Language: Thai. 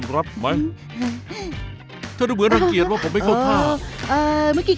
ได้ก็เรียกคู่วางลิ้น